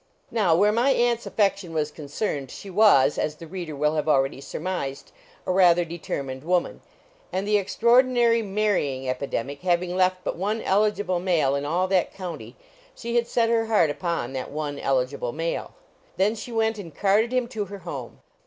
Now, where my aunt's affection was concerned she was, as the reader will have already surmised, a rather determined woman; and the extraordinary marrying epidemic having left but one eligible male in all that county, she had set her heart upon that one eligible male; then she went and carted him to her home.